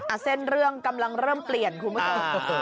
เส้นเรื่องกำลังเริ่มเปลี่ยนคุณผู้ชม